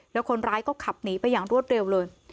แล้วคนร้ายก็ขับหนีไปอย่างรวดเร็วเลย